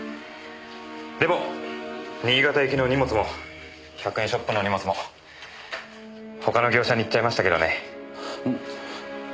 でも新潟行きの荷物も１００円ショップの荷物も他の業者にいっちゃいましたけどね。